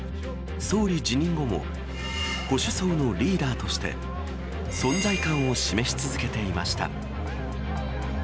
総理辞任後も、保守層のリーダーとして、存在感を示し続けていました。